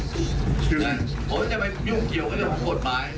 ผมจะไปยุ่งเกี่ยวกับกฎหมาย